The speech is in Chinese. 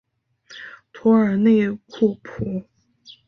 图尔内库普。